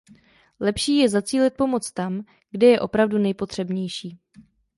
Lepší je zacílit pomoc tam, kde je opravdu nejpotřebnější.